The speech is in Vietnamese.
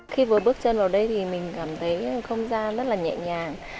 khi vừa bước chân vào đây thì mình cảm thấy không gian rất là nhẹ nhàng